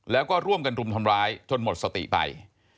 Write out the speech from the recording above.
แล้วก็ร่วมกันรุมทำร้ายจนหมดสติไป